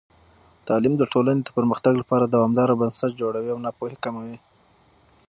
تعلیم د ټولنې د پرمختګ لپاره دوامدار بنسټ جوړوي او ناپوهي کموي.